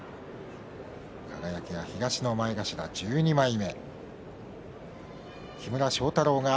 輝は東の前頭１２枚目。